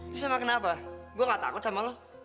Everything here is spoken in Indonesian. bisa mah kenapa gue gak takut sama lo